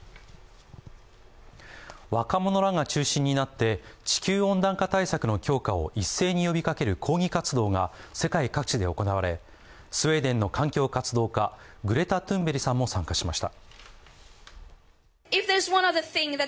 若者らが中心になって地球温暖化の強化を一斉に呼びかける抗議活動が世界各地で行われ、スウェーデンの環境活動家、グレタ・トゥンベリさんも参加しました。